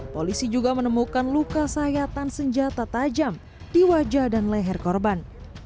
polisi juga menemukan luka sayatan senjata tajam di wajah dan leher korban